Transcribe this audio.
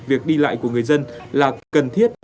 việc đi lại của người dân là cần thiết